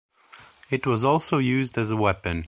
It was also used as a weapon.